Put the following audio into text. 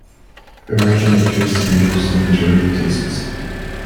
Immersion appears to be used in the majority of cases.